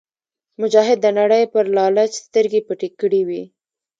مجاهد د نړۍ پر لالچ سترګې پټې کړې وي.